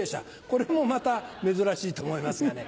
これもまた珍しいと思いますがね